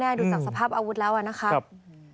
ดูจากสภาพอาวุธแล้วนะครับ